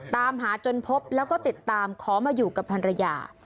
ตามหาจนพบแล้วก็ติดตามขอมาอยู่กับภรรยา